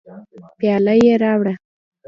پیاله یې راوړه.